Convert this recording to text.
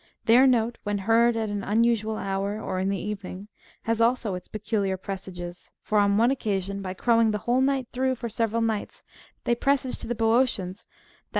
Their note, when heard at an unusual hour or in the evening, has also its peculiar pre sages ; for, on one occasion, by crowing the whole night through for several nights, they presaged to the Boeotians that famous 75 See B.